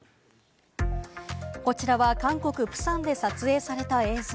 こちらは韓国・プサンで撮影された映像。